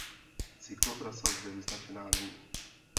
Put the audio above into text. Cyklotrasa zde vyznačená není.